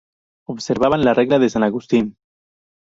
Observaban la regla de san Agustín.